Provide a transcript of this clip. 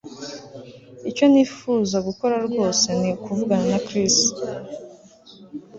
Icyo nifuza gukora rwose ni ukuvugana na Chris